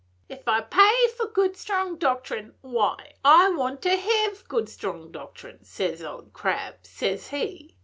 'Ef I pay for good strong doctrine, why, I want to hev good strong doctrine, says Old Crab, says he.